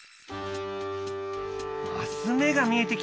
マス目が見えてきた。